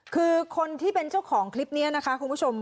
คือคนที่เป็นเจ้าของคลิปนี้นะคะคุณผู้ชม